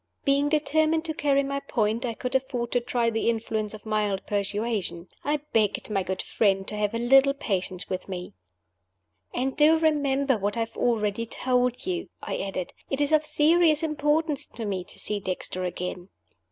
Being determined to carry my point, I could afford to try the influence of mild persuasion. I begged my good friend to have a little patience with me. "And do remember what I have already told you," I added. "It is of serious importance to me to see Dexter again."